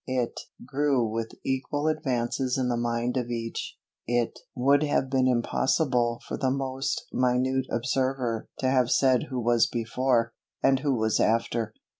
It grew with equal advances in the mind of each. It would have been impossible for the most minute observer to have said who was before, and who was after.